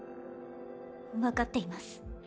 分かっています